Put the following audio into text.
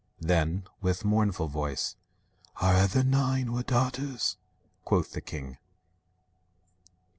Then, with mournful voice, "Our other nine were daughters," quoth the king.